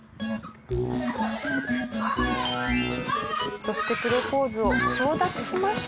そしてプロポーズを承諾しました。